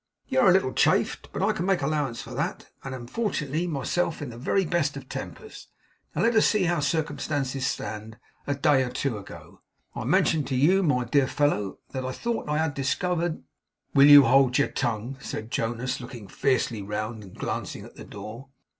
'You are a little chafed, but I can make allowance for that, and am, fortunately, myself in the very best of tempers. Now, let us see how circumstances stand. A day or two ago, I mentioned to you, my dear fellow, that I thought I had discovered ' 'Will you hold your tongue?' said Jonas, looking fiercely round, and glancing at the door.